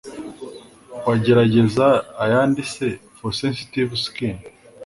wagerageza ayanditse for sensitive skin,